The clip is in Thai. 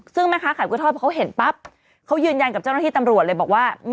ซึ่งแม่ค้าขายกล้วยทอดเพราะเขาเห็นปั๊บเขายืนยันกับเจ้าหน้าที่ตำรวจเลยบอกว่า